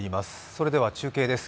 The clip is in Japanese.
それでは中継です。